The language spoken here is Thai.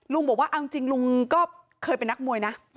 ลุงบอกว่าเอาจริงลุงก็เคยเป็นนักมวยนะ